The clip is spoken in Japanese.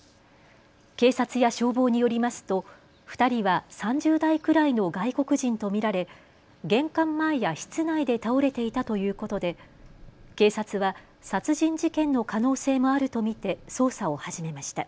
警察や消防によりますと２人は３０代くらいの外国人と見られ玄関前や室内で倒れていたということで警察は殺人事件の可能性もあると見て捜査を始めました。